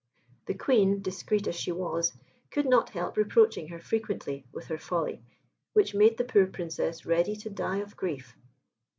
The Queen, discreet as she was, could not help reproaching her frequently with her folly, which made the poor Princess ready to die of grief.